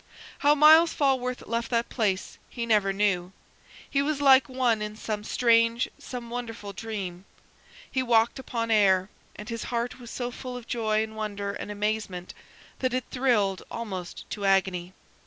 How Myles Falworth left that place he never knew. He was like one in some strange, some wonderful dream. He walked upon air, and his heart was so full of joy and wonder and amazement that it thrilled almost to agony.